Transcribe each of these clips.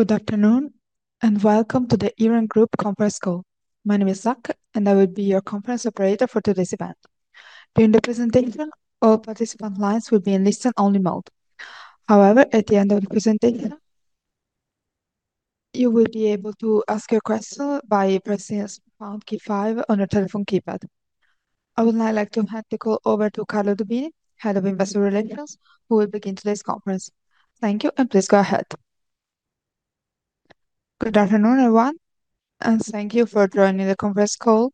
Good afternoon. Welcome to the Iren Group conference call. My name is Zak, and I will be your conference operator for today's event. During the presentation, all participant lines will be in listen-only mode. At the end of the presentation, you will be able to ask a question by pressing pound key five on your telephone keypad. I would now like to hand the call over to Carlo Dubini, Head of Investor Relations, who will begin today's conference. Thank you. Please go ahead. Good afternoon, everyone. Thank you for joining the conference call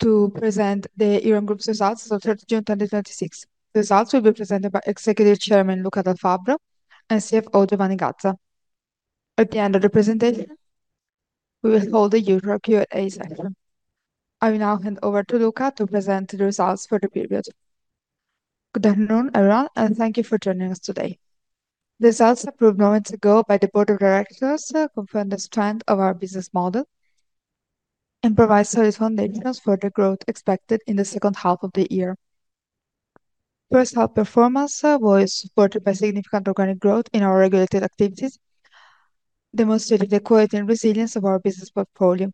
to present the Iren Group's results as of 30 June 2026. The results will be presented by Executive Chairman, Luca Dal Fabbro, and CFO, Giovanni Gazza. At the end of the presentation, we will hold a Q&A session. I will now hand over to Luca to present the results for the period. Good afternoon, everyone. Thank you for joining us today. The results approved moments ago by the board of directors confirm the strength of our business model and provide solid foundations for the growth expected in the second half of the year. First half performance was supported by significant organic growth in our regulated activities, demonstrating the quality and resilience of our business portfolio,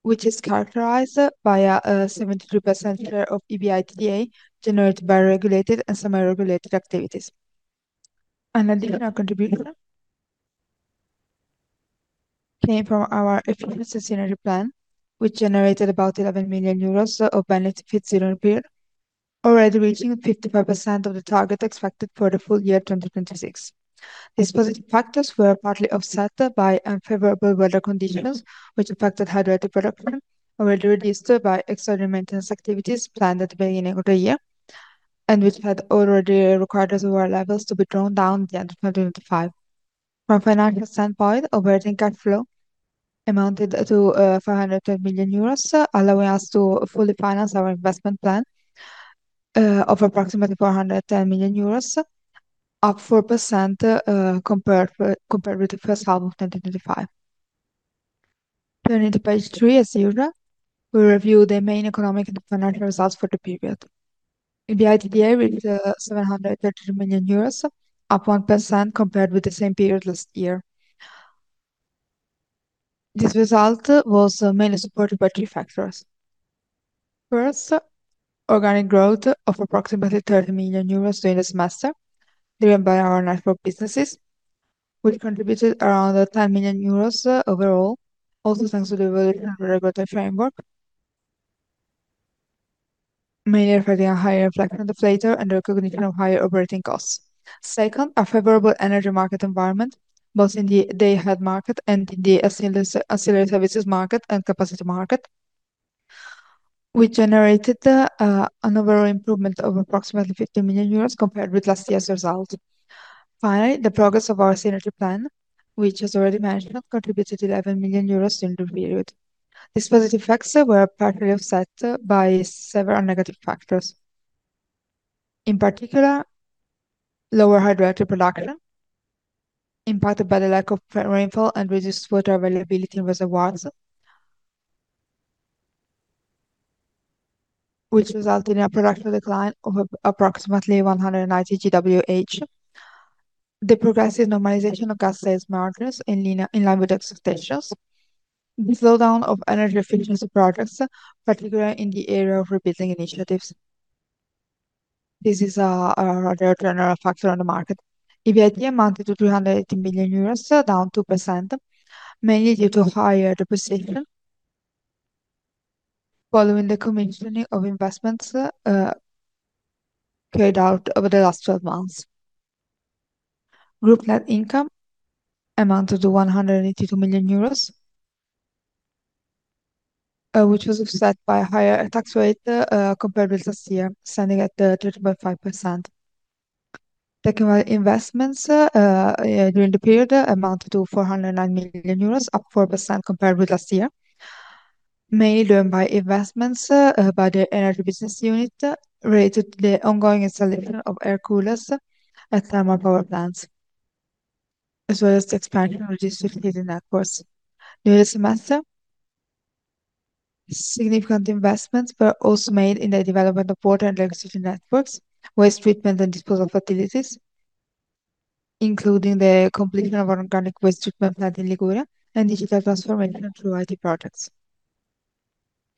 which is characterized by a 72% share of EBITDA generated by regulated and semi-regulated activities. An additional contribution came from our efficiency synergy plan, which generated about 11 million euros of benefits during the period, already reaching 55% of the target expected for the full year 2026. These positive factors were partly offset by unfavorable weather conditions, which affected hydroelectric production, already reduced by extraordinary maintenance activities planned at the beginning of the year, which had already required reservoir levels to be drawn down at the end of 2025. From a financial standpoint, operating cash flow amounted to 512 million euros, allowing us to fully finance our investment plan of approximately 410 million euros, up 4% compared with the first half of 2025. Turning to page three as usual, we review the main economic and financial results for the period. EBITDA reached EUR 732 million, up 1% compared with the same period last year. This result was mainly supported by three factors. First, organic growth of approximately 30 million euros during the semester, driven by our network businesses, contributed around 10 million euros overall, also thanks to the evolution of the regulatory framework, mainly affecting a higher reflection deflator and the recognition of higher operating costs. Second, a favorable energy market environment, both in the day-ahead market and in the ancillary services market and capacity market, generated an overall improvement of approximately 50 million euros compared with last year's result. Finally, the progress of our synergy plan, as already mentioned, contributed EUR 11 million during the period. These positive effects were partly offset by several negative factors. In particular, lower hydroelectric production, impacted by the lack of rainfall and reduced water availability in reservoirs, resulted in a production decline of approximately 190 GWh. The progressive normalization of gas sales margins in line with expectations. The slowdown of energy efficiency projects, particularly in the area of repeating initiatives. This is a rather general factor on the market. EBITDA amounted to 380 million euros, down 2%, mainly due to higher depreciation following the commissioning of investments carried out over the last 12 months. Group net income amounted to 182 million euros, which was offset by a higher tax rate compared with last year, standing at 30.5%. Technical investments during the period amounted to 409 million euros, up 4% compared with last year, mainly driven by investments by the energy business unit related to the ongoing installation of air coolers at thermal power plants, as well as the expansion of distribution networks. During the semester, significant investments were also made in the development of water and electricity networks, waste treatment and disposal facilities, including the completion of an organic waste treatment plant in Liguria and digital transformation through IT projects.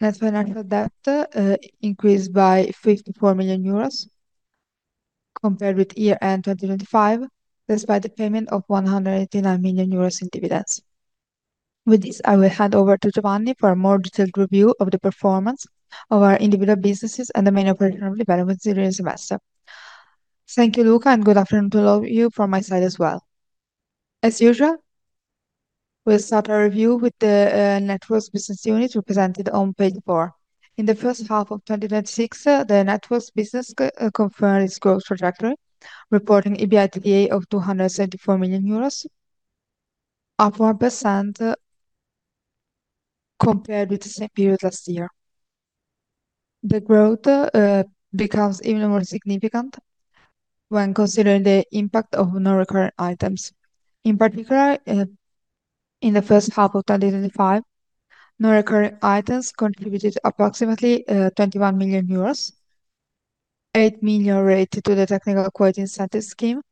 Net financial debt increased by 54 million euros compared with year-end 2025, despite the payment of 189 million euros in dividends. With this, I will hand over to Giovanni for a more detailed review of the performance of our individual businesses and the main operational developments during the semester. Thank you, Luca, and good afternoon to all of you from my side as well. As usual, we will start our review with the networks business unit represented on page four. In the first half of 2026, the networks business confirmed its growth trajectory, reporting EBITDA of EUR 274 million, up 4% compared with the same period last year. The growth becomes even more significant when considering the impact of non-recurring items. In particular, in the first half of 2025, non-recurring items contributed approximately 21 million euros, 8 million related to the technical quality incentive scheme,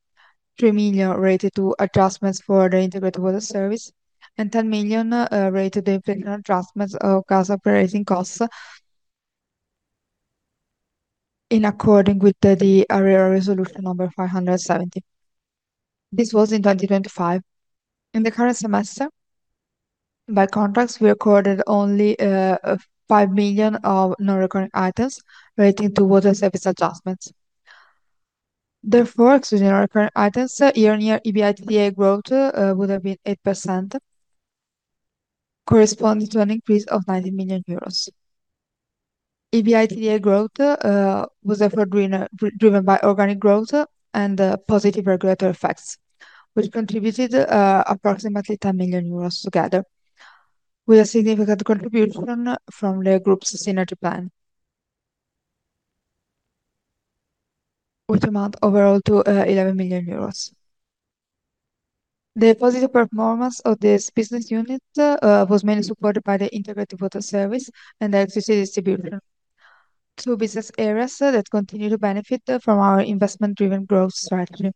3 million related to adjustments for the integrated water service, and 10 million related to inflation adjustments of gas operating costs in accordance with the ARERA Resolution number 570. This was in 2025. In the current semester, by contrast, we recorded only 5 million of non-recurring items relating to water service adjustments. Excluding recurring items, year-on-year EBITDA growth would have been 8%, corresponding to an increase of 90 million euros. EBITDA growth was therefore driven by organic growth and positive regulatory effects, which contributed approximately 10 million euros together, with a significant contribution from the group's synergy plan, which amounted overall to 11 million euros. The positive performance of this business unit was mainly supported by the integrated water service and the electricity distribution, two business areas that continue to benefit from our investment-driven growth strategy,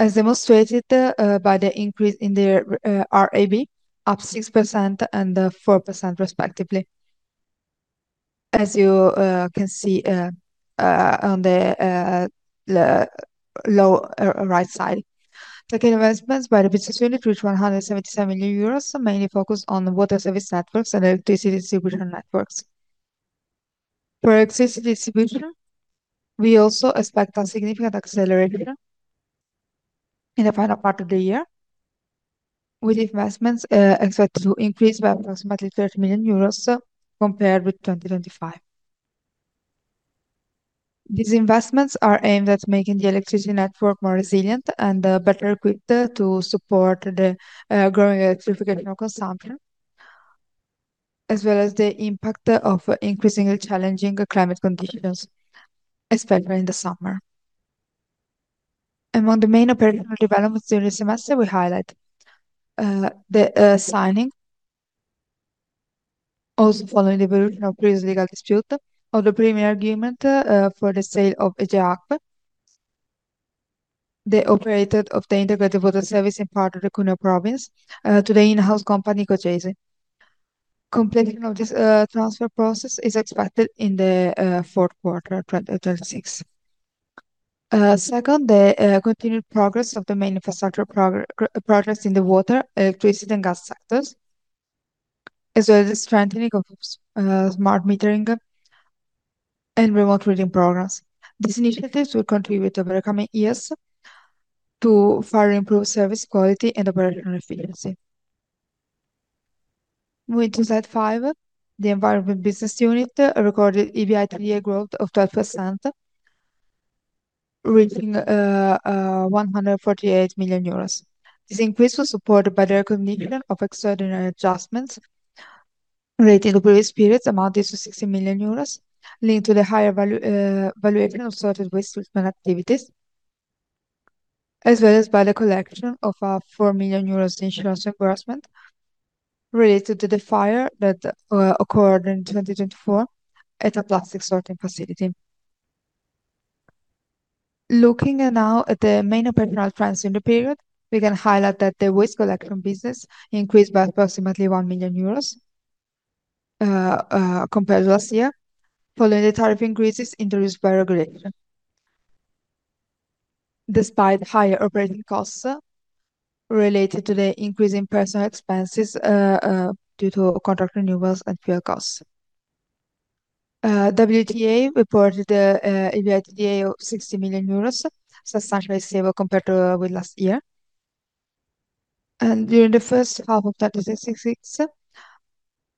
as demonstrated by the increase in their RAB, up 6% and 4% respectively. As you can see on the lower right side, capital investments by the business unit reached 177 million euros, mainly focused on water service networks and electricity distribution networks. For electricity distribution, we also expect a significant accelerator in the final part of the year, with investments expected to increase by approximately 30 million euros compared with 2025. These investments are aimed at making the electricity network more resilient and better equipped to support the growing electrification of consumption, as well as the impact of increasingly challenging climate conditions, especially in the summer. Among the main operational developments during the semester, we highlight the signing, also following the evolution of previous legal dispute, of the premium agreement for the sale of EGEA Acque, the operator of the integrated water service in part of the Cuneo province to the in-house company Cogesi. Completion of this transfer process is expected in the fourth quarter of 2026. Second, the continued progress of the main infrastructure projects in the water, electricity, and gas sectors, as well as the strengthening of smart metering and remote reading programs. These initiatives will contribute over the coming years to further improve service quality and operational efficiency. Moving to slide five, the environment business unit recorded EBITDA growth of 12%, reaching 148 million euros. This increase was supported by the recognition of extraordinary adjustments relating to previous periods amounting to 60 million euros, linked to the higher valuation of sorted waste treatment activities, as well as by the collection of a 4 million euros insurance reimbursement related to the fire that occurred in 2024 at a plastic sorting facility. Looking now at the main operational trends in the period, we can highlight that the waste collection business increased by approximately 1 million euros compared to last year, following the tariff increases introduced by regulation, despite higher operating costs related to the increase in personal expenses due to contract renewals and fuel costs. WTE reported an EBITDA of 60 million euros, substantially stable compared with last year. During the first half of 2026,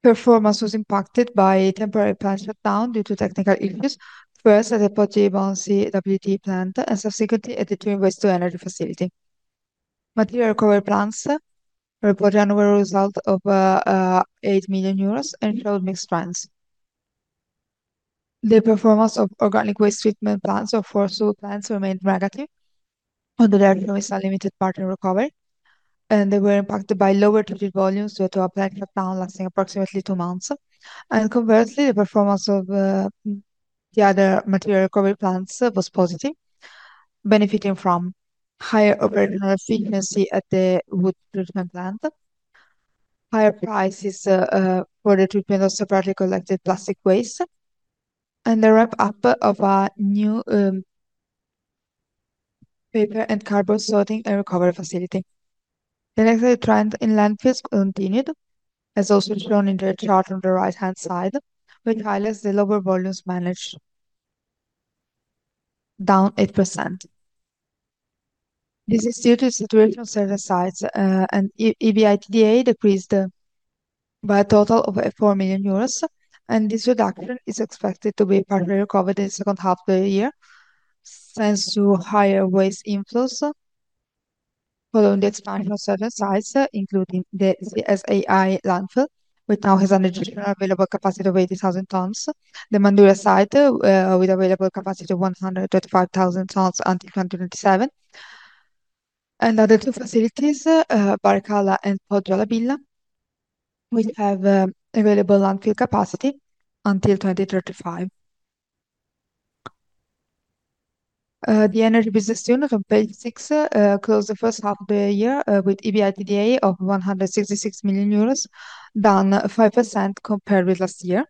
performance was impacted by a temporary plant shutdown due to technical issues, first at the Portibone CWT plant, and subsequently at the two waste-to-energy facility. Material recovery plants reported annual result of 8 million euros and showed mixed trends. The performance of organic waste treatment plants or landfill plants remained negative, and the revenue is a limited part in recovery, and they were impacted by lower treated volumes due to a plant shutdown lasting approximately two months. Conversely, the performance of the other material recovery plants was positive, benefiting from higher operational efficiency at the wood treatment plant, higher prices for the treatment of separately collected plastic waste, and the ramp-up of a new paper and cardboard sorting and recovery facility. The negative trend in landfills continued, as also shown in the chart on the right-hand side, which highlights the lower volumes managed, down 8%. This is due to the situation at certain sites, EBITDA decreased by a total of 4 million euros. This reduction is expected to be partly recovered in the second half of the year, thanks to higher waste inflows following the expansion of certain sites, including the CSAI landfill, which now has an additional available capacity of 80,000 tons. The Manduria site, with available capacity of 125,000 tons until 2027. Other two facilities, Barricalla and Poggio alla Villa will have available landfill capacity until 2035. The energy business unit on page six, closed the first half the year with EBITDA of 166 million euros, down 5% compared with last year,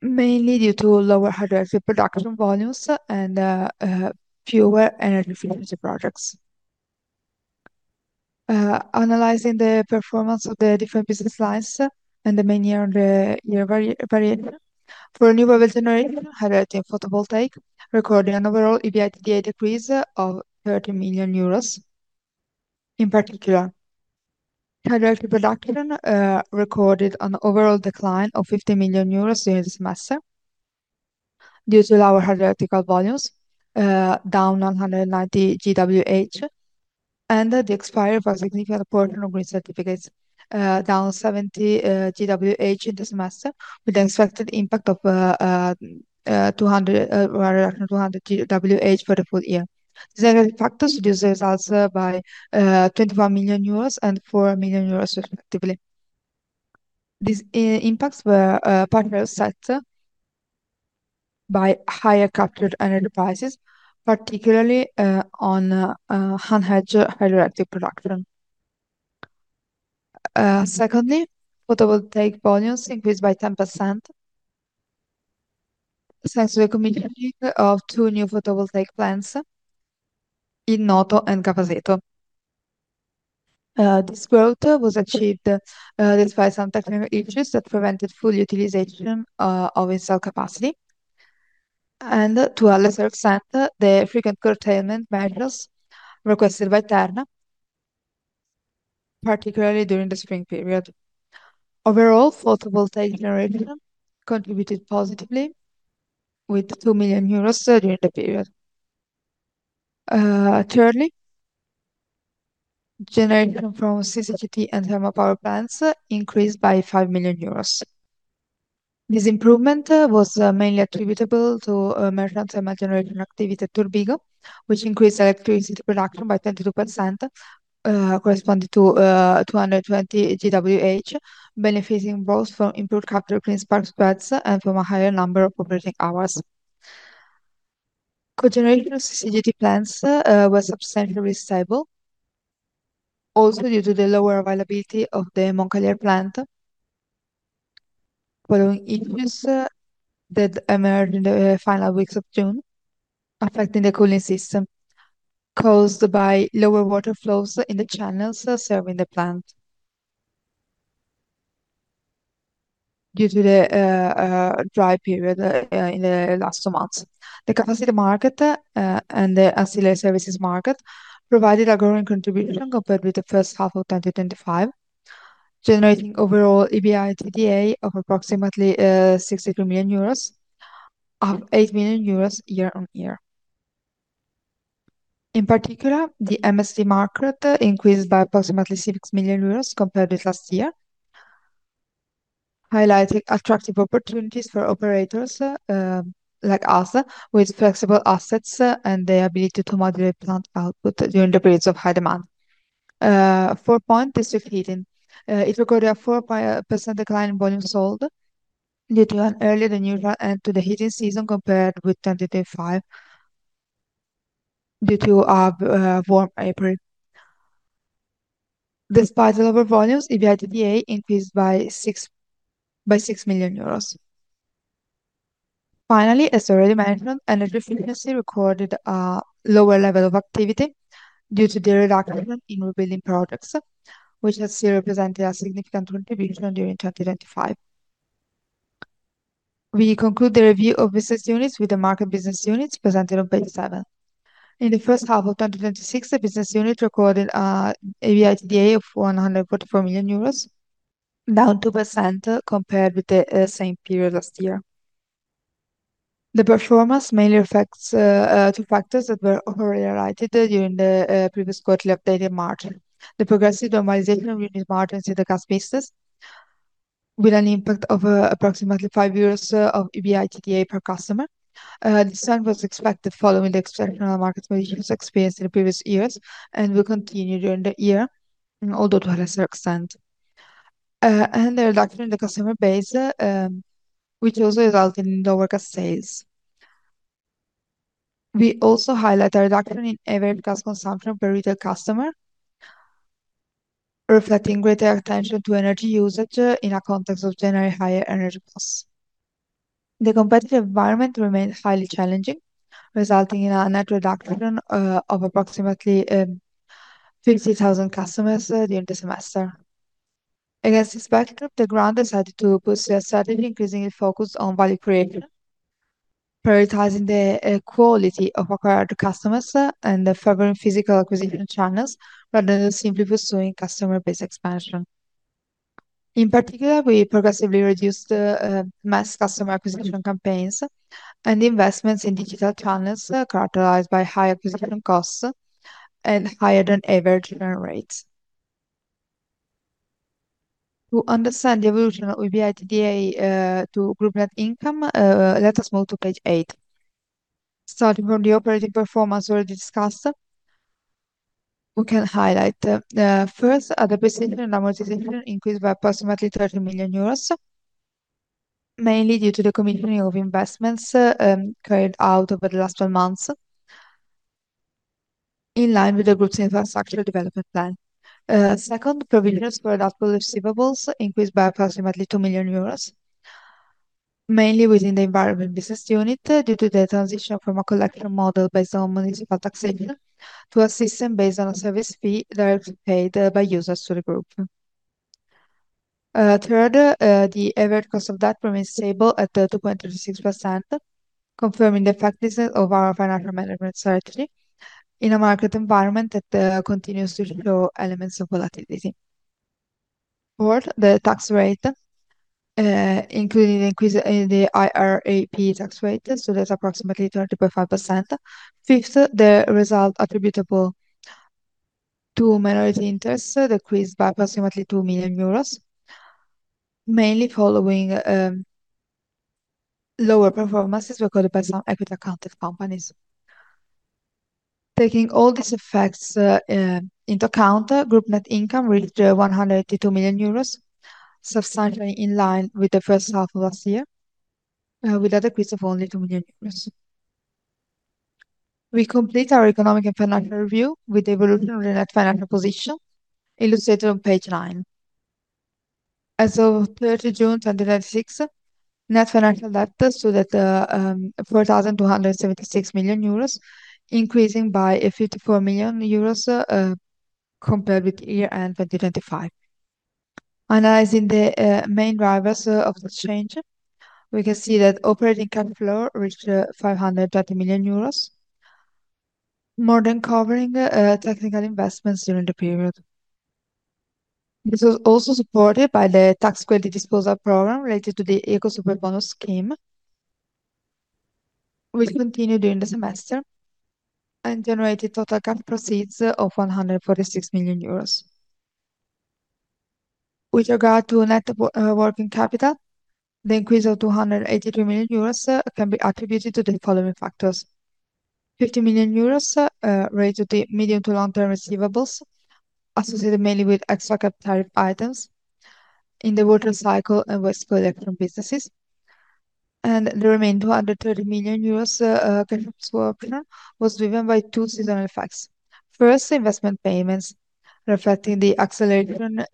mainly due to lower hydroelectric production volumes and fewer energy efficiency projects. Analyzing the performance of the different business lines and the main year-on-year variation. For renewable generation, hydroelectric, photovoltaic, recording an overall EBITDA decrease of 30 million euros. In particular, hydroelectric production recorded an overall decline of 50 million euros during the semester due to lower hydrological volumes, down 190 GWh, and the expiry of a significant portion of green certificates, down 70 GWh in the semester, with an expected impact of around 200 GWh for the full year. These are factors reduced results by 21 million euros and 4 million euros respectively. These impacts were partially offset by higher captured energy prices, particularly, on unhedged hydroelectric production. Photovoltaic volumes increased by 10% since the commissioning of two new photovoltaic plants in Noto and Caposetto. This growth was achieved despite some technical issues that prevented full utilization of installed capacity, and to a lesser extent, the frequent curtailment measures requested by Terna, particularly during the spring period. Overall, photovoltaic generation contributed positively with 2 million euros during the period. Generation from CCGT and thermal power plants increased by 5 million euros. This improvement was mainly attributable to merchant thermal generation activity at Turbigo, which increased electricity production by 22%, corresponding to 220 GWh, benefiting both from improved capture clean spark spreads and from a higher number of operating hours. Cogeneration of CCGT plants was substantially stable, also due to the lower availability of the Moncalieri plant following issues that emerged in the final weeks of June, affecting the cooling system caused by lower water flows in the channels serving the plant due to the dry period in the last two months. The capacity market, and the ancillary services market provided a growing contribution compared with the first half of 2025, generating overall EBITDA of approximately EUR 63 million, up EUR 8 million year-on-year. The MSD market increased by approximately 6 million euros compared with last year, highlighting attractive opportunities for operators, like us, with flexible assets and the ability to modulate plant output during the periods of high demand. District heating. It recorded a 4% decline in volume sold due to an earlier than usual end to the heating season compared with 2025 due to a warm April. Despite the lower volumes, EBITDA increased by 6 million euros. As already mentioned, energy efficiency recorded a lower level of activity due to the reduction in rebuilding projects which had still represented a significant contribution during 2025. The review of business units with the market business units presented on page seven. In the first half of 2026, the business unit recorded EBITDA of 144 million euros, down 2% compared with the same period last year. The performance mainly affects two factors that were already highlighted during the previous quarterly update in March. The progressive normalization of unit margins in the gas business with an impact of approximately five years of EBITDA per customer. This trend was expected following the exceptional market conditions experienced in previous years and will continue during the year, although to a lesser extent. The reduction in the customer base, which also resulted in lower gas sales. We also highlight a reduction in average gas consumption per retail customer, reflecting greater attention to energy usage in a context of generally higher energy costs. The competitive environment remained highly challenging, resulting in a net reduction of approximately 50,000 customers during the semester. Against this backdrop, the Group decided to push its strategy, increasing its focus on value creation, prioritizing the quality of acquired customers and favoring physical acquisition channels rather than simply pursuing customer-based expansion. In particular, we progressively reduced mass customer acquisition campaigns and investments in digital channels characterized by high acquisition costs and higher-than-average churn rates. To understand the evolution of EBITDA to Group net income, let us move to page eight. Starting from the operating performance already discussed, we can highlight first, the depreciation and amortization increased by approximately 30 million euros, mainly due to the commitment of investments carried out over the last 12 months, in line with the Group's infrastructure development plan. Second, provisions for doubtful receivables increased by approximately 2 million euros, mainly within the environment business unit due to the transition from a collection model based on municipal taxation to a system based on a service fee directly paid by users to the Group. Third, the average cost of debt remains stable at 2.36%, confirming the effectiveness of our financial management strategy in a market environment that continues to show elements of volatility. Fourth, the tax rate, including an increase in the IRAP tax rate, so that's approximately 30.5%. Fifth, the result attributable to minority interests decreased by approximately 2 million euros, mainly following lower performances recorded by some equity accounted companies. Taking all these effects into account, Group net income reached 182 million euros, substantially in line with the first half of last year, with an increase of only 2 million euros. We complete our economic and financial review with the evolution of the net financial position illustrated on page nine. As of 30 June 2026, net financial debt stood at 4,276 million euros, increasing by 54 million euros compared with year-end 2025. Analyzing the main drivers of the change, we can see that operating cash flow reached 530 million euros, more than covering technical investments during the period. This was also supported by the tax credit disposal program related to the Ecobonus/Superbonus scheme, which continued during the semester and generated total cash proceeds of 146 million euros. With regard to net working capital, the increase of 283 million euros can be attributed to the following factors. 50 million euros related to the medium to long-term receivables, associated mainly with extra-cap tariff items in the water cycle and waste collection businesses. The remaining 230 million euros cash flow was driven by two seasonal effects. First, investment payments reflecting the acceleration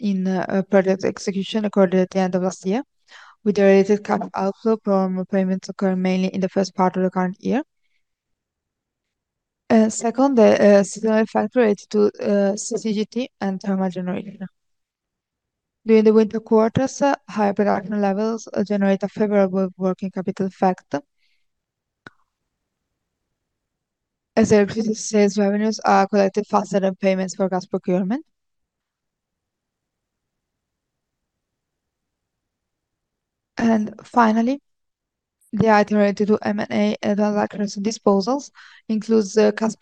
in project execution occurred at the end of last year, with the related cash outflow from payments occurring mainly in the first part of the current year. Second, the seasonal effect related to CCGT and thermal generation. During the winter quarters, high production levels generate a favorable working capital effect, as the increased sales revenues are collected faster than payments for gas procurement. Finally, the item related to M&A and disposals includes cash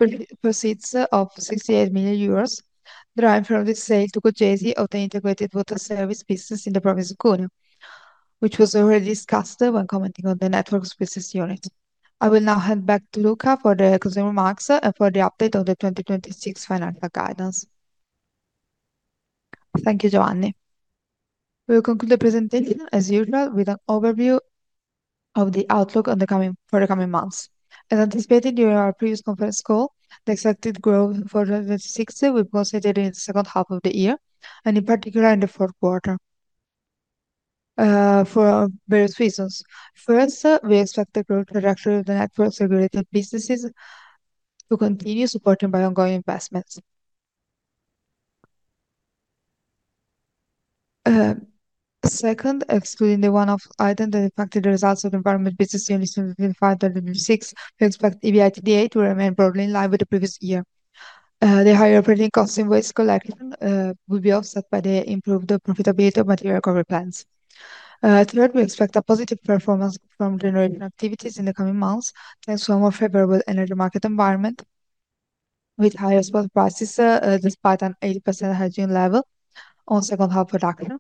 proceeds of 68 million euros, derived from the sale to Cogesi of the integrated water service business in the province of Cuneo, which was already discussed when commenting on the networks business unit. I will now hand back to Luca for the closing remarks and for the update of the 2026 financial guidance. Thank you, Giovanni. We will conclude the presentation, as usual, with an overview of the outlook for the coming months. As anticipated during our previous conference call, the expected growth for 2026 will be concentrated in the second half of the year, and in particular, in the fourth quarter, for various reasons. First, we expect the growth trajectory of the networks and related businesses to continue, supported by ongoing investments. Second, excluding the one-off item that affected the results of environment business units in 2025/2026, we expect EBITDA to remain broadly in line with the previous year. The higher operating costs in waste collection will be offset by the improved profitability of material recovery plans. Third, we expect a positive performance from generation activities in the coming months, thanks to a more favorable energy market environment with higher spot prices, despite an 80% hedging level on second half production,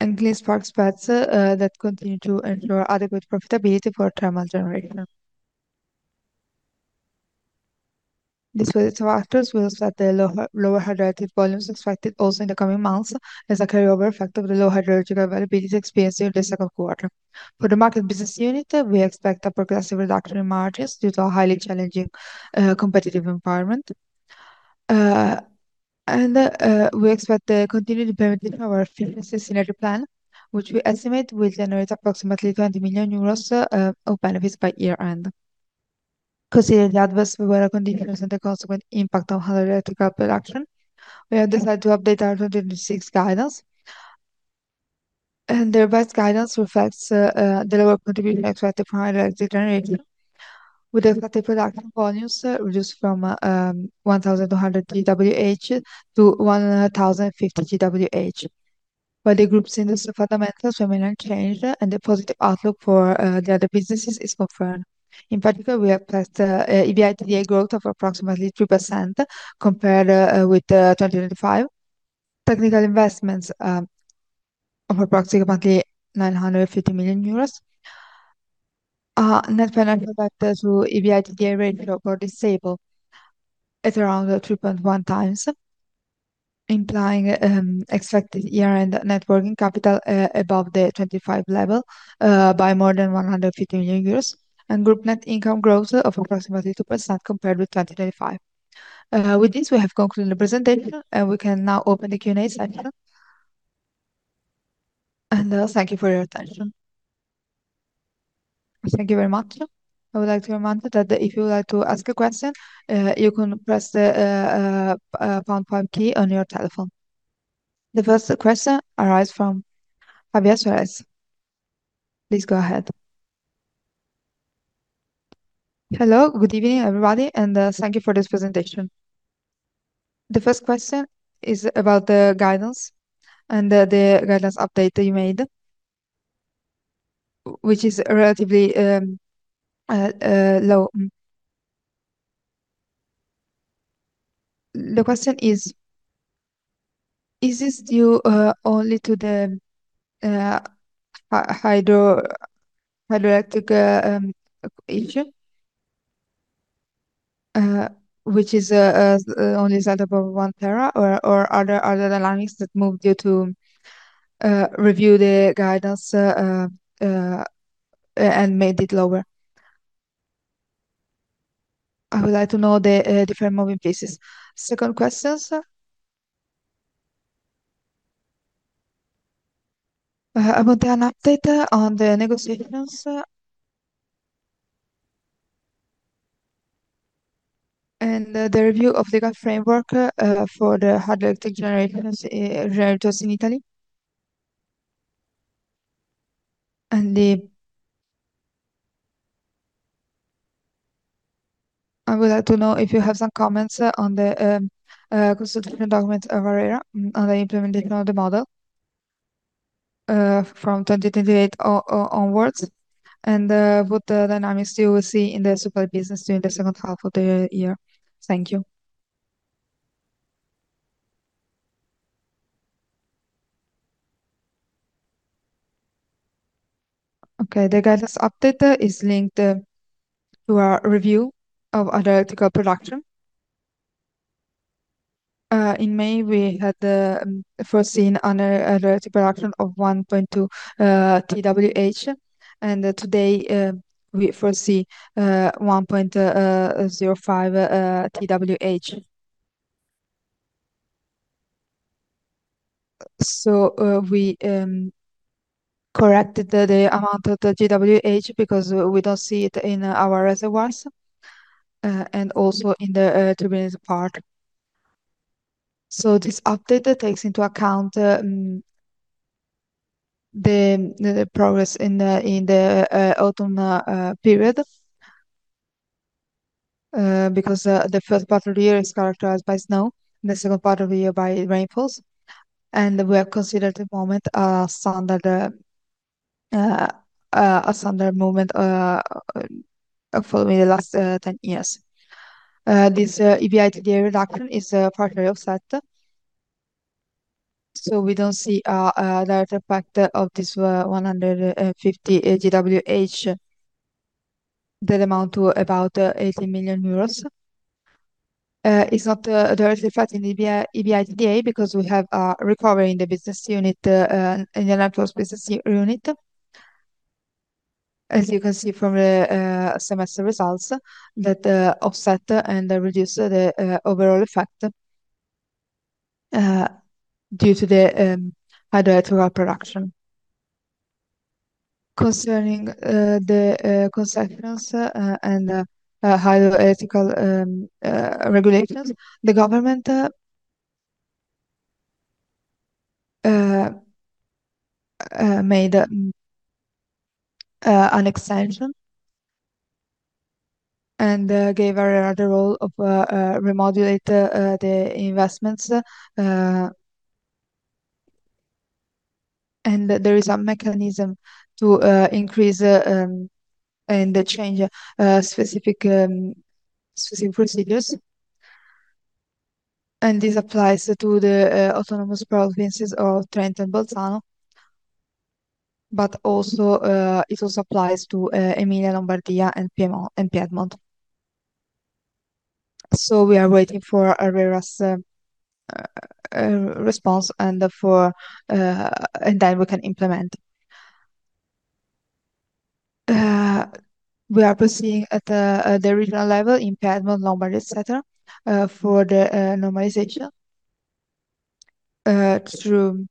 and clean spark spreads that continue to ensure adequate profitability for thermal generation. These factors will offset the lower hydrated volumes expected also in the coming months as a carryover effect of the low hydrological availability experienced during the second quarter. For the market business unit, we expect a progressive reduction in margins due to a highly challenging competitive environment. We expect the continued implementation of our efficiency synergy plan, which we estimate will generate approximately 20 million euros of benefits by year-end. Considering the adverse weather conditions and the consequent impact on hydroelectric production, we have decided to update our 2026 guidance. The revised guidance reflects the lower contribution expected from hydroelectric generation, with expected production volumes reduced from 1,200 GWh to 1,050 GWh. The group's industry fundamentals remain unchanged, and the positive outlook for the other businesses is confirmed. In particular, we have placed EBITDA growth of approximately 3% compared with 2025. Technical investments of approximately EUR 950 million. Net financial debt to EBITDA ratio for this table at around 3.1x, implying expected year-end net working capital above the 2025 level by more than 150 million euros. Group net income growth of approximately 2% compared with 2025. With this, we have concluded the presentation, and we can now open the Q&A session. Thank you for your attention. Thank you very much. I would like to remind that if you would like to ask a question, you can press the pound pound key on your telephone. The first question arise from Javier Suárez. Please go ahead. Hello, good evening, everybody, and thank you for this presentation. The first question is about the guidance and the guidance update that you made, which is relatively low. The question is this due only to the hydroelectric issue, which is only set up over one tera, or are there other dynamics that moved you to review the guidance and made it lower? I would like to know the different moving pieces. Second questions, about an update on the negotiations and the review of legal framework for the hydroelectric generators in Italy. I would like to know if you have some comments on the consultation document, ARERA, on the implementation of the model from 2028 onwards, and what the dynamics you will see in the supply business during the second half of the year. Thank you. Okay, the guidance update is linked to our review of hydroelectric production. In May, we had foreseen hydroelectric production of 1.2 TWh, and today, we foresee 1.05 TWh. We corrected the amount of the GWh because we don't see it in our reservoirs, and also in the turbines part. This update takes into account the progress in the autumn period, because the first part of the year is characterized by snow, and the second part of the year by rainfalls. We have considered at the moment a standard moment for the last 10 years. This EBITDA reduction is partially offset. We don't see a direct effect of this 150 GWh that amount to about 80 million euros. It's not directly affecting the EBITDA because we have a recovery in the business unit, in the network business unit. As you can see from the semester results that offset and reduce the overall effect due to the hydroelectric production. Concerning the concessions and the hydroelectric regulations, the government made an extension and gave ARERA the role of remodulate the investments. There is a mechanism to increase and change specific procedures. This applies to the autonomous provinces of Trento and Bolzano, but it also applies to Emilia-Romagna and Piedmont. We are waiting for ARERA's response and then we can implement. We are proceeding at the regional level in Piedmont, Lombardy, et cetera, for the normalization through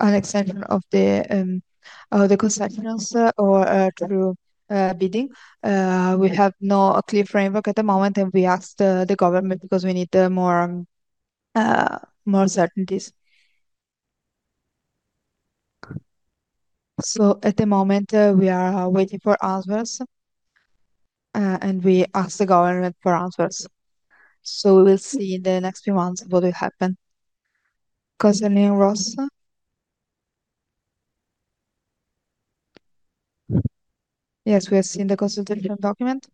an extension of the concessions or through bidding. We have no clear framework at the moment, and we ask the government because we need more certainties. At the moment, we are waiting for answers, and we ask the government for answers. We will see in the next few months what will happen. Concerning ROSS. Yes, we have seen the consultation document.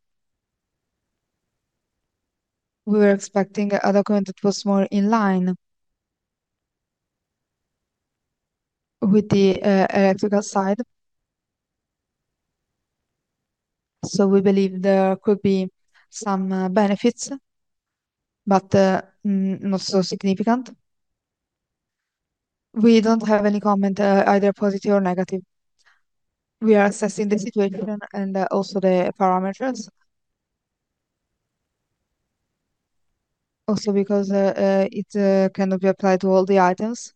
We were expecting a document that was more in line with the electrical side. We believe there could be some benefits, but not so significant. We don't have any comment, either positive or negative. We are assessing the situation and also the parameters. Also, because it cannot be applied to all the items.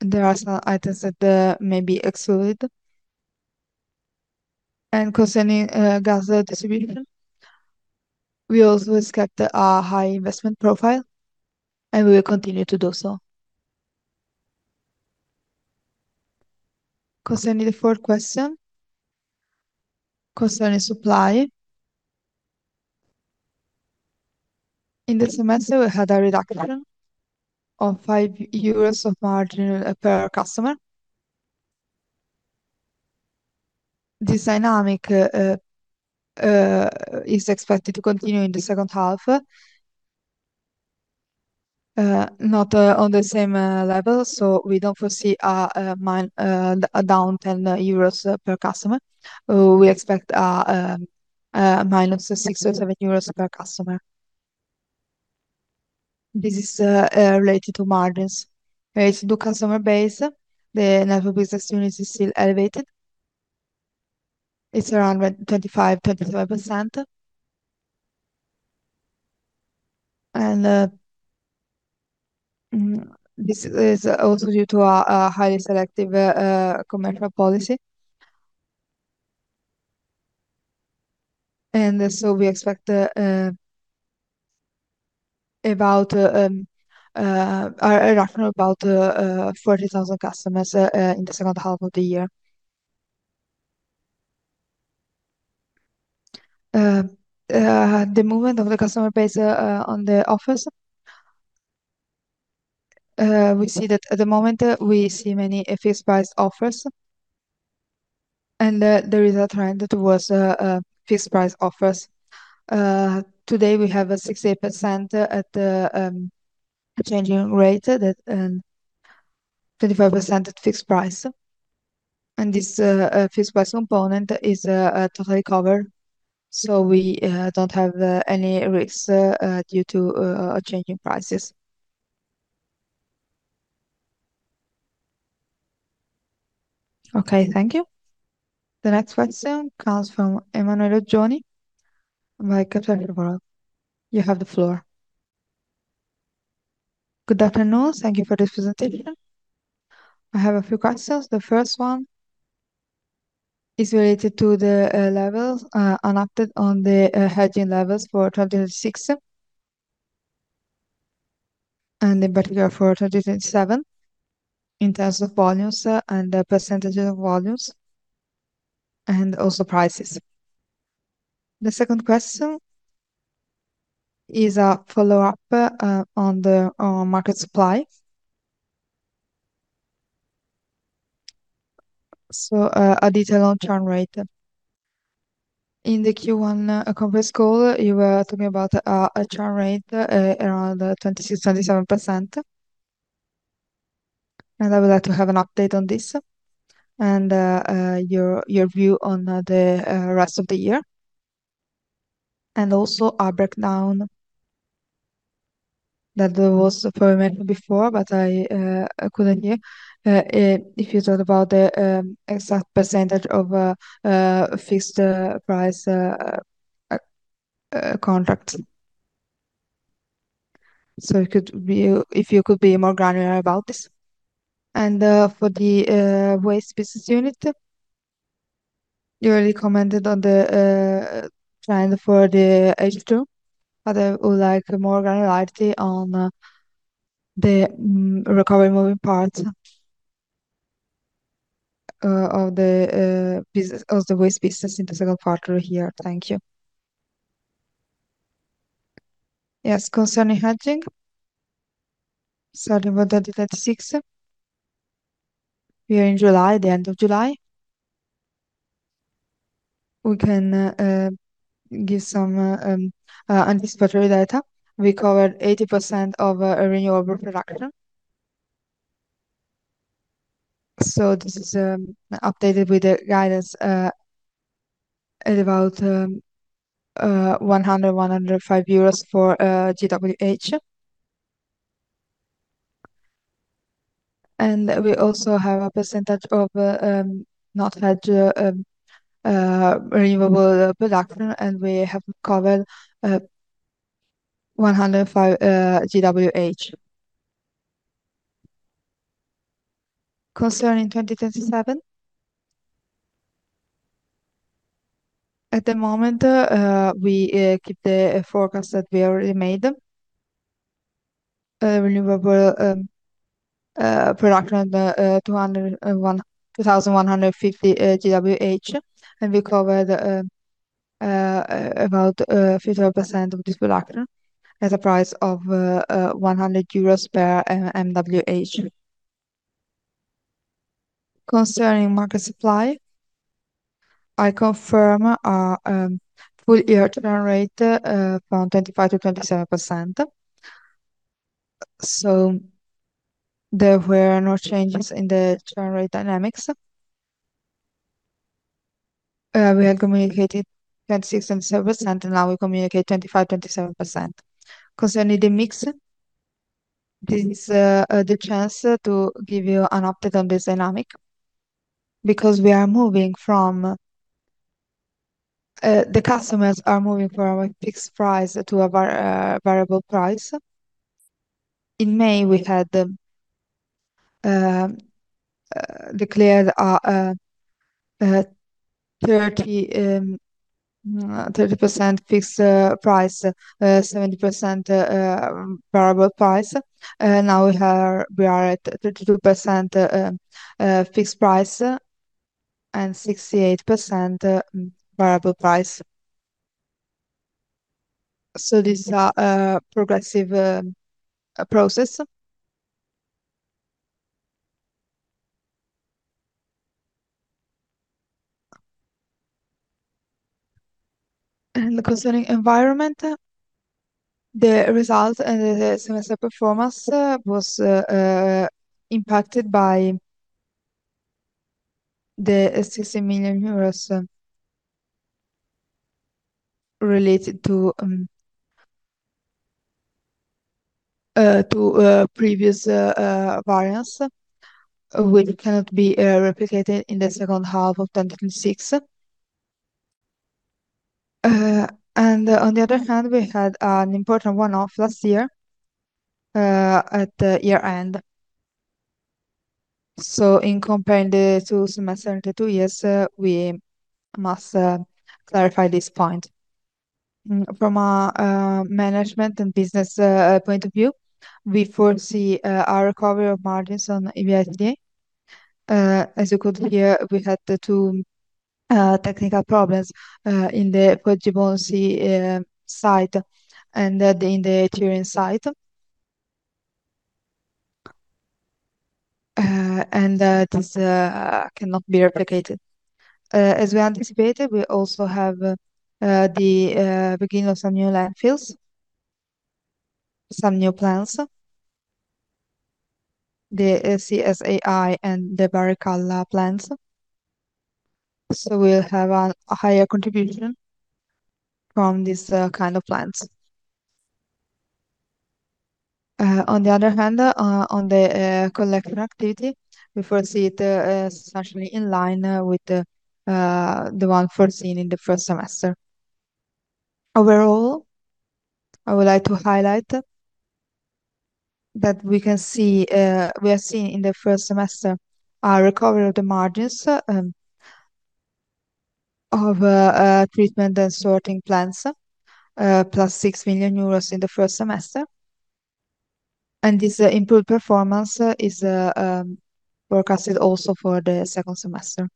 There are some items that may be excluded. Concerning gas distribution, we also expect a high investment profile, and we will continue to do so. Concerning the fourth question. Concerning supply. In the semester, we had a reduction of 5 euros of margin per customer. This dynamic is expected to continue in the second half, not on the same level, we don't foresee a down 10 euros per customer. We expect a -6 or -7 euros per customer. This is related to margins. As to customer base, the network business unit is still elevated. It's around 25%-27%. This is also due to our highly selective commercial policy. We expect approximately about 40,000 customers in the second half of the year. The movement of the customer base on the offers. We see that at the moment, we see many fixed price offers, and there is a trend towards fixed price offers. Today, we have 68% at the changing rate and 25% at fixed price. This fixed price component is totally covered, so we don't have any risks due to changing prices. Okay, thank you. The next question comes from Emanuele Oggioni, Kepler Cheuvreux. You have the floor. Good afternoon. Thank you for this presentation. I have a few questions. The first one is related to the levels, an update on the hedging levels for 2026, and in particular for 2027, in terms of volumes and the percentages of volumes, and also prices. The second question is a follow-up on the market supply. A detail on churn rate. In the Q1 conference call, you were talking about a churn rate around 26%-27%, and I would like to have an update on this and your view on the rest of the year. Also a breakdown, that was mentioned before, but I couldn't hear. If you talk about the exact percentage of fixed price contracts. If you could be more granular about this. For the waste business unit, you already commented on the trend for the H2, but I would like more granularity on the recovery moving parts of the waste business in the second quarter here. Thank you. Yes, concerning hedging, starting with 2026. We are in July, the end of July. We can give some anticipatory data. We covered 80% of renewable production. This is updated with the guidance at about 100-105 euros for GWh. We also have a percentage of not hedged renewable production, and we have covered 105 GWh. Concerning 2027, at the moment, we keep the forecast that we already made. Renewable production 2,150 GWh, and we covered about 50% of this production at a price of 100 euros per MWh. Concerning market supply, I confirm our full-year churn rate from 25%-27%. There were no changes in the churn rate dynamics. We had communicated 26%-27%, and now we communicate 25%-27%. Concerning the mix, this is the chance to give you an update on this dynamic, because the customers are moving from a fixed price to a variable price. In May, we had declared 30% fixed price, 70% variable price. Now we are at 32% fixed price and 68% variable price. This is a progressive process. Concerning environment, the results and the semester performance was impacted by the EUR 60 million related to previous variance, which cannot be replicated in the second half of 2026. On the other hand, we had an important one-off last year at the year-end. In comparing the two semester and two years, we must clarify this point. From a management and business point of view, we foresee a recovery of margins on EBITDA. As you could hear, we had two technical problems in the Foggia-Bonassai site and in the Iren site. This cannot be replicated. As we anticipated, we also have the beginning of some new landfills, some new plants, the CSAI and the Barricalla plants. We'll have a higher contribution from these kind of plants. On the other hand, on the collection activity, we foresee it essentially in line with the one foreseen in the first semester. Overall, I would like to highlight that we are seeing in the first semester a recovery of the margins of treatment and sorting plants, +6 million euros in the first semester. This improved performance is forecasted also for the second semester.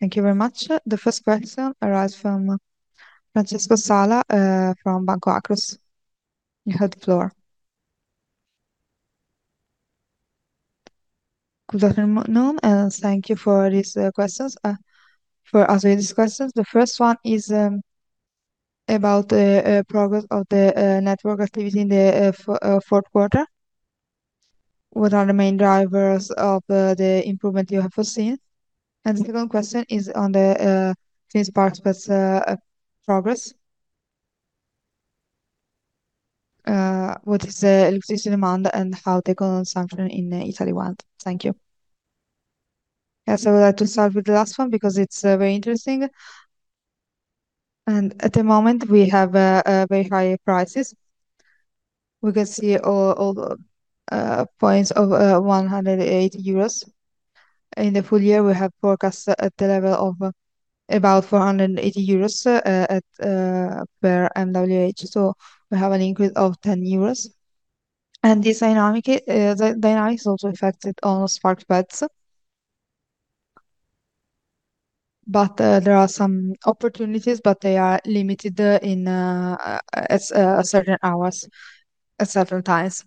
Thank you very much. The first question arises from Francesco Sala from Banca Akros. You have the floor. Good afternoon and thank you for asking these questions. The first one is about the progress of the network activity in the fourth quarter. What are the main drivers of the improvement you have foreseen? The second question is on the clean spark spread progress. What is the electricity demand and how the current consumption in Italy went? Thank you. Yes, I would like to start with the last one because it is very interesting. At the moment, we have very high prices. We can see all the points of 108 euros. In the full year, we have forecast at the level of about 480 euros per MWh. We have an increase of 10 euros. This dynamic is also affected on spark spreads. There are some opportunities, but they are limited in certain hours, at certain times.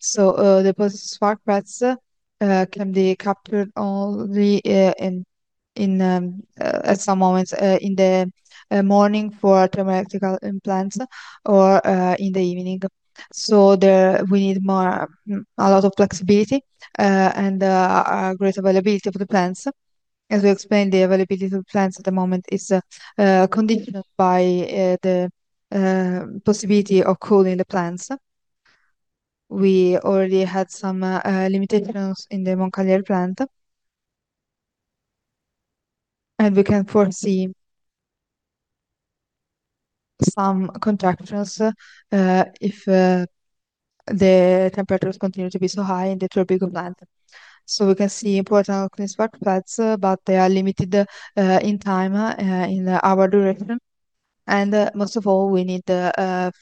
The spark spreads can be captured only at some moments in the morning for thermal electrical plants or in the evening. We need a lot of flexibility and great availability of the plants. As we explained, the availability of the plants at the moment is conditioned by the possibility of cooling the plants. We already had some limitations in the Moncalieri plant, and we can foresee some contractions if the temperatures continue to be so high in the tropical land. We can see important clean spark spreads, but they are limited in time, in hour duration. Most of all, we need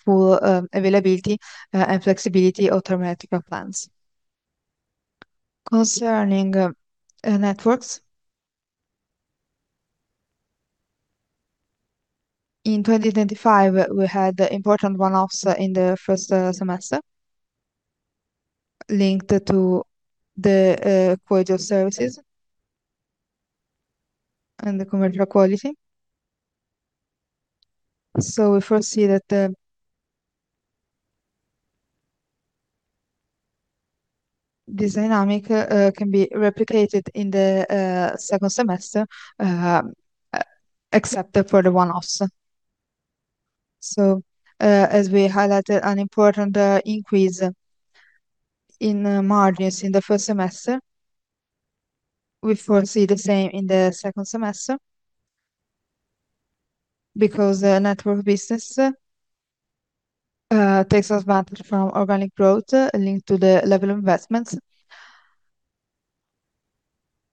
full availability and flexibility of thermal plants. Concerning networks, in 2025, we had important one-offs in the first semester linked to the cordial services and the commercial quality. We foresee that the dynamic can be replicated in the second semester, except for the one-offs. As we highlighted an important increase in margins in the first semester, we foresee the same in the second semester because the network business takes advantage from organic growth linked to the level investments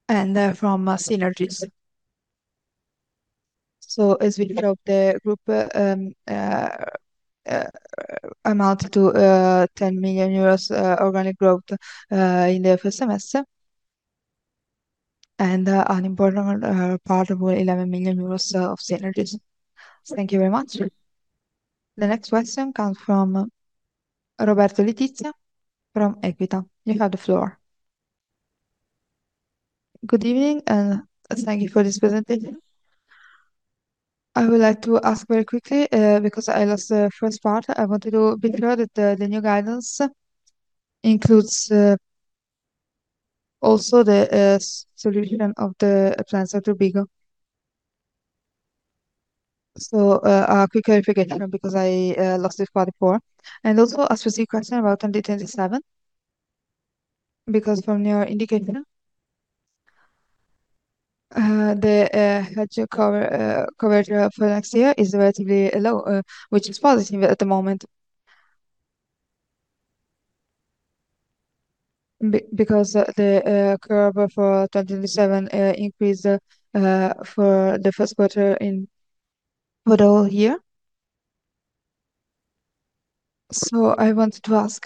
and from synergies. As we drove the group amount to 10 million euros organic growth in the first semester and an important part of 11 million euros of synergies. Thank you very much. The next question comes from Roberto Letizia from Equita. You have the floor. Good evening, thank you for this presentation. I would like to ask very quickly, because I lost the first part, I want to be clear that the new guidance includes also the solution of the plants at Turbigo. A quick verification because I lost this part before. Also a specific question about 2027, because from your indicator, the hedge coverage for next year is relatively low, which is positive at the moment. The cover for 2027 increased for the first quarter in overall year. I wanted to ask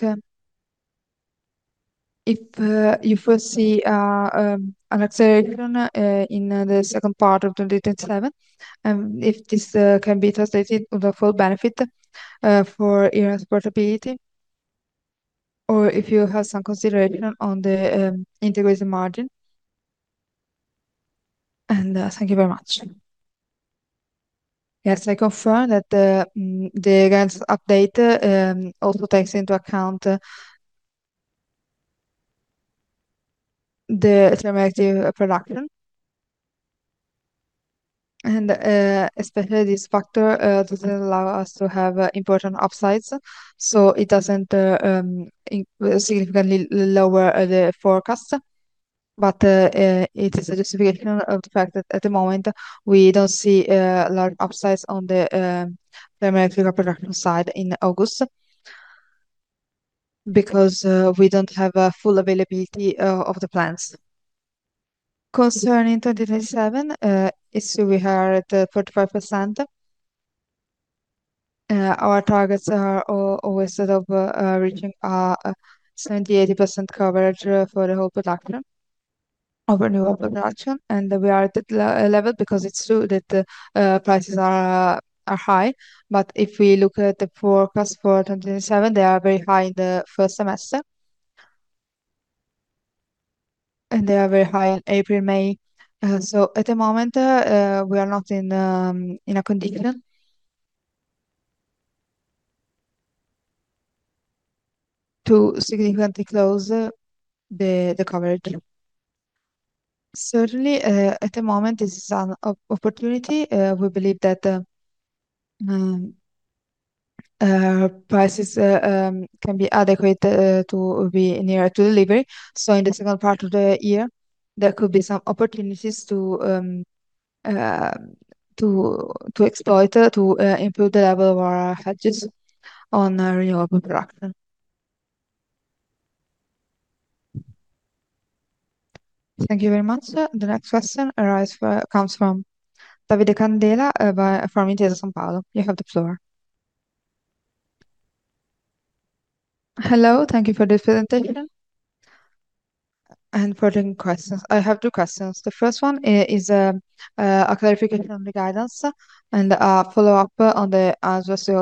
if you foresee an acceleration in the second part of 2027, if this can be translated on the full benefit for Iren's profitability, or if you have some consideration on the integrated margin. Thank you very much. Yes, I confirm that the guidance update also takes into account the thermoelectric production. Especially this factor does not allow us to have important upsides, so it does not significantly lower the forecast. It is a justification of the fact that at the moment, we do not see large upsides on the thermoelectric production side in August because we do not have a full availability of the plants. Concerning 2027, we are at 45%. Our targets are always reaching a 70%-80% coverage for the whole production, of renewable production. We are at that level because it is true that prices are high. If we look at the forecast for 2027, they are very high in the first semester, and they are very high in April, May. At the moment, we are not in a condition to significantly close the coverage. Certainly, at the moment, this is an opportunity. We believe that prices can be adequate to be nearer to delivery. In the second part of the year, there could be some opportunities to exploit, to improve the level of our hedges on renewable production. Thank you very much. The next question comes from Davide Candela from Intesa Sanpaolo. You have the floor. Hello. Thank you for this presentation and for taking questions. I have two questions. The first one is a clarification on the guidance and a follow-up on the answers you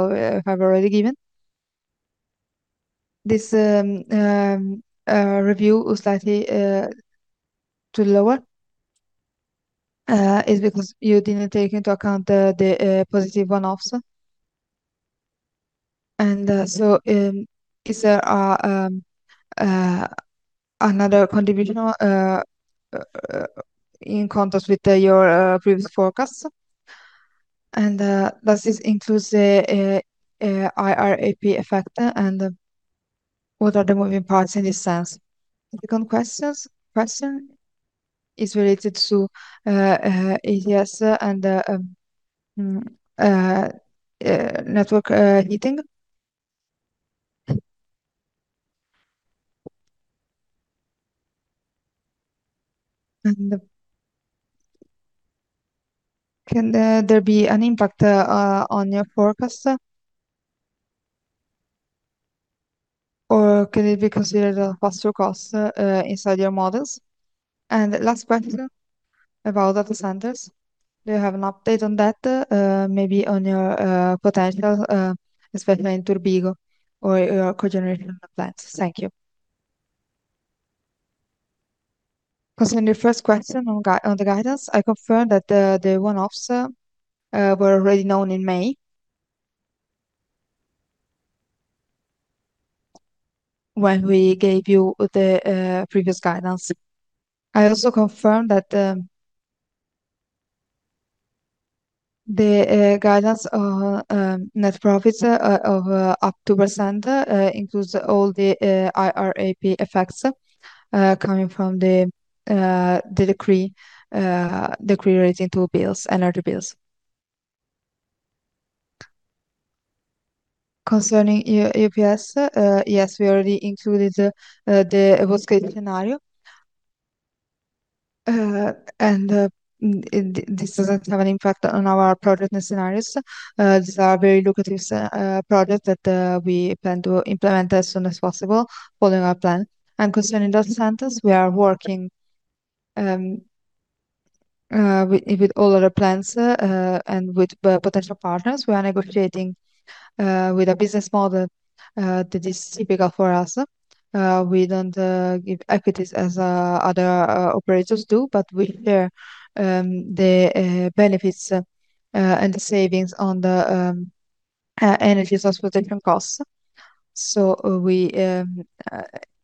have already given. This review was slightly lower because you did not take into account the positive one-offs. Is there another contribution in contrast with your previous forecast? Does this include IRAP effect? What are the moving parts in this sense? The second question is related to ancillary services market and district heating. Can there be an impact on your forecast? Can it be considered a pass-through cost inside your models? Last question about data centers. Do you have an update on that? Maybe on your potential, especially in Turbigo, or your cogeneration plants. Thank you. Concerning the first question on the guidance, I confirm that the one-offs were already known in May, when we gave you the previous guidance. I also confirm that the guidance on net profits of up to percent includes all the IRAP effects coming from the decree raising energy bills. Concerning EPS, yes, we already included the worst-case scenario, and this does not have an impact on our project scenarios. These are very lucrative projects that we plan to implement as soon as possible following our plan. Concerning data centers, we are working with all other plants and with potential partners. We are negotiating with a business model that is typical for us. We do not give equities as other operators do, but we hear the benefits and the savings on the energy transportation costs. We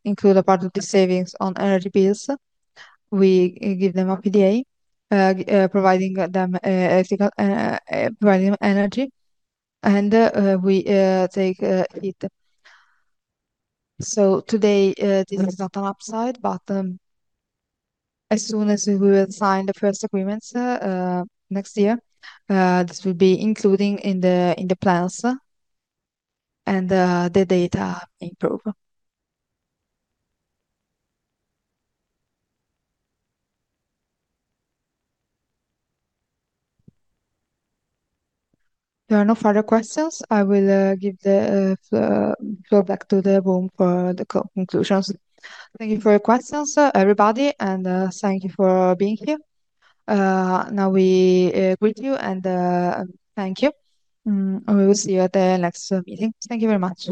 include a part of the savings on energy bills. We give them PPA, providing them energy, and we take it. Today, this is not an upside, but as soon as we will sign the first agreements next year, this will be included in the plans and the data improve. There are no further questions, I will give the floor back to the room for the conclusions. Thank you for your questions, everybody, and thank you for being here. Now we greet you and thank you. We will see you at the next meeting. Thank you very much.